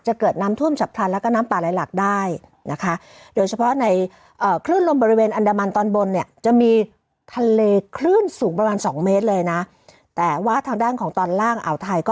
เหมือนปลาฟูอ่ะอันนี้ปลาลีนูได้นี่